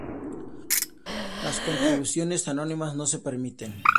Las contribuciones anónimas no se permiten.